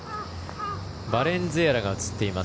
バレンズエラが映っています